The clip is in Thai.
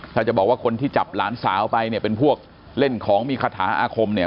ถ้าจะบอกว่าคนที่จับหลานสาวไปเนี่ยเป็นพวกเล่นของมีคาถาอาคมเนี่ย